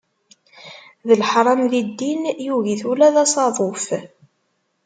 D leḥram di ddin, yugi-t ula d asaḍuf.